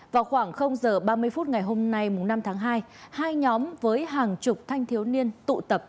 vào khoảng h ba mươi phút ngày hôm nay năm tháng hai hai nhóm với hàng chục thanh thiếu niên tụ tập